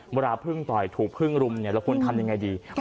เมื่อพึ่งต่อยถูกพึ่งรุมเนี่ยเราควรทำยังไงดีค่ะ